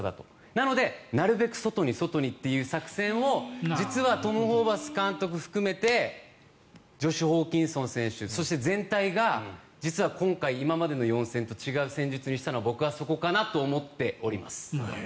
なので、なるべく外に外にという作戦を実はトム・ホーバス監督含めてジョシュ・ホーキンソン選手そして、全体が実は今回今までの４戦と違う戦術にしたのは僕はそこかなと思っております。